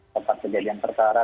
tempat kejadian tersara